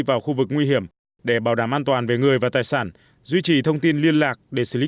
vào khu vực nguy hiểm để bảo đảm an toàn về người và tài sản duy trì thông tin liên lạc để xử lý